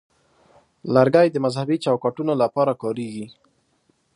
لرګی د مذهبي چوکاټونو لپاره کارېږي.